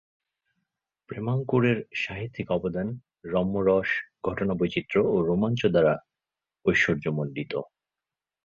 প্রেমাঙ্কুরের সাহিত্যিক অবদান রম্যরস, ঘটনাবৈচিত্র্য ও রোমাঞ্চ দ্বারা ঐশ্বর্যমন্ডিত।